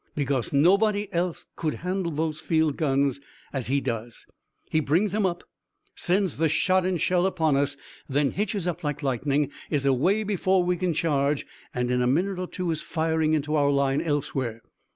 "Because nobody else could handle those field guns as he does. He brings 'em up, sends the shot and shell upon us, then hitches up like lightning, is away before we can charge, and in a minute or two is firing into our line elsewhere.